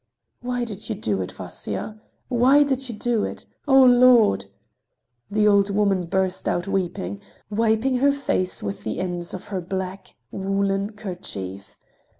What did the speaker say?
"Why did you do it, Vasya? Why did you do it? Oh, Lord!" The old woman burst out weeping, wiping her face with the ends of her black, woolen kerchief.